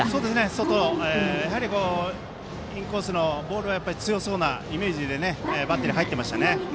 外へインコースへのボールは強そうなイメージでバッテリーは入っていましたね。